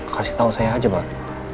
kasih tau saya aja mbak